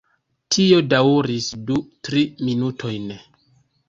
Tio daŭris du, tri minutojn.